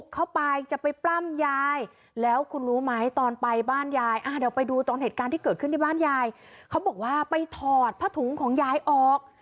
เขาบอกว่าไปถอดผ้าถุงของยายออก